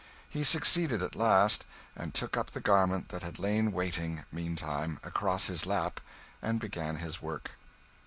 He succeeded at last, and took up the garment that had lain waiting, meantime, across his lap, and began his work.